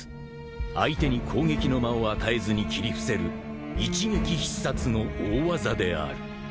［相手に攻撃の間を与えずに斬り伏せる一撃必殺の大技である］